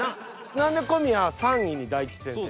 何で小宮は３位に大吉先生？